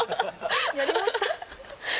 やりました！